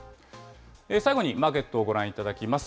最後にマーケットをご覧いただきます。